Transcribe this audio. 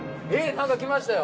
何か来ましたよ。